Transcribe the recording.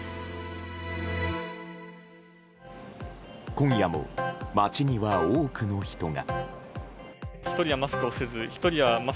今夜も街には多くの人が。